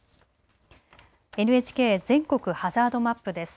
ＮＨＫ全国ハザードマップです。